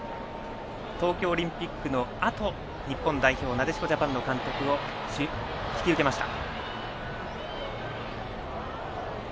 東京オリンピックのあと日本代表、なでしこジャパンの監督を引き受けました。